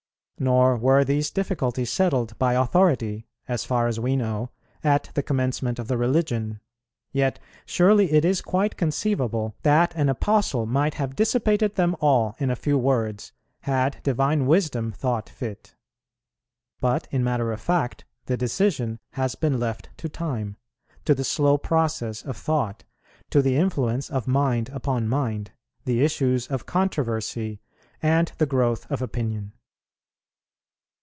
Nor were these difficulties settled by authority, as far as we know, at the commencement of the religion; yet surely it is quite conceivable that an Apostle might have dissipated them all in a few words, had Divine Wisdom thought fit. But in matter of fact the decision has been left to time, to the slow process of thought, to the influence of mind upon mind, the issues of controversy, and the growth of opinion.